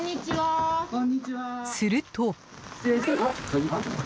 すると。